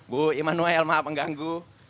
bu emanuel maaf mengganggu